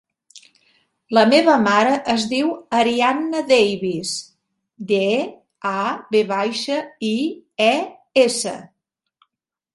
La meva mare es diu Arianna Davies: de, a, ve baixa, i, e, essa.